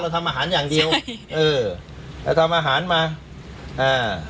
ทำอาหารอย่างเดียวเออเราทำอาหารมาอ่า